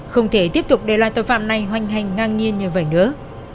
không thể tiếp tục để loại tội phạm này hoành hành ngang nhiên như vậy nữa